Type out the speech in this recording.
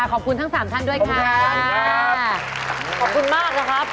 ขอบคุณทั้งสามท่านด้วยค่ะขอบคุณมากนะครับ